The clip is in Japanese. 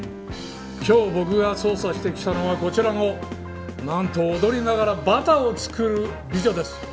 今日僕が捜査してきたのはこちらの踊りながらバターを作る美女です。